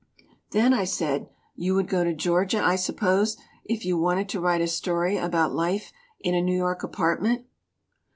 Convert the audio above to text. "Then," I said, "you would go to Georgia, I suppose, if you wanted to write a story about life in a New York apartment?"